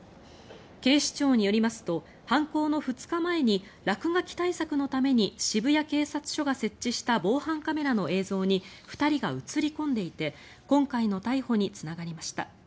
警視庁によりますと犯行の２日前に落書き対策のために渋谷警察署が設置した防犯カメラの映像に２人が映り込んでいて今回の逮捕につながりました。